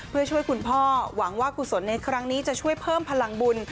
เพื่อช่วยคุณพ่อหวังว่ากุศลในครั้งนี้จะช่วยเพิ่มพลังบุญ